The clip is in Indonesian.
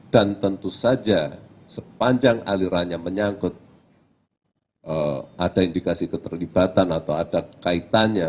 dan tentu saja sepanjang alirannya menyangkut ada indikasi keterlibatan atau ada kaitannya